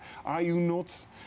apakah anda tidak merubah